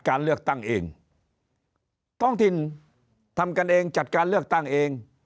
การเลือกตั้งเองท้องถิ่นทำกันเองจัดการเลือกตั้งเอง